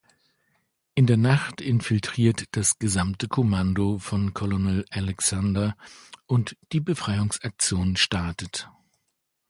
In der Nacht infiltriert das gesamte Kommando von Colonel Alexander und die Befreiungsaktion startet.